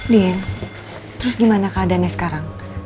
lalu gimana keadaannya sekarang